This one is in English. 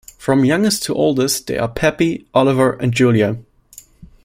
From youngest to oldest, they are Peppi, Oliver and Julia.